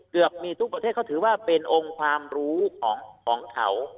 เกือบมีทุกประเทศเขาถือว่าเป็นองค์ความรู้ของเขา